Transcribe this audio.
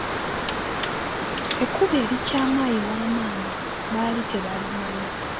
Ekkubo erikyama ewa maama baali tebalimanyi.